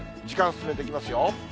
時間進めていきますよ。